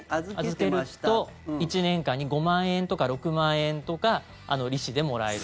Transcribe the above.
預けると１年間に５万円とか６万円とか利子でもらえる。